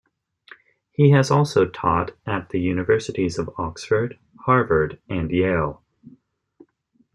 He has also taught at the universities of Oxford, Harvard and Yale.